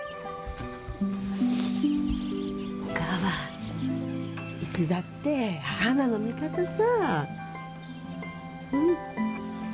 おかあはいつだってはなの味方さ。